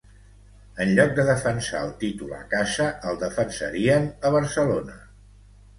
en lloc de defensar el títol a casa, el defensarien a Barcelona